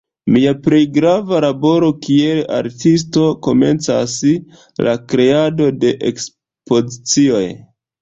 Mia plej grava laboro kiel artisto komencas: la kreado de ekspozicioj.